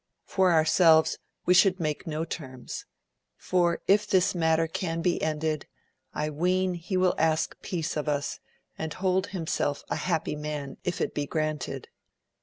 For our selves we should make no terms, for if this matter can be ended, I ween he will ask peace of us, and hold himself a happy man if it be granted.